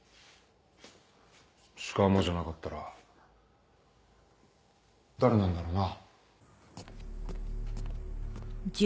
鹿浜じゃなかったら誰なんだろうな？